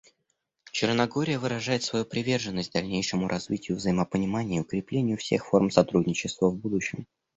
Черногория выражает свою приверженность дальнейшему развитию взаимопонимания и укреплению всех форм сотрудничества в будущем.